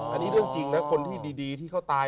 อันนี้เรื่องจริงนะคนที่ดีที่เขาตาย